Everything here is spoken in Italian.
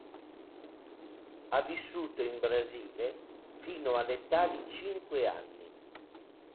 Ha vissuto in Brasile fino all'età di cinque anni.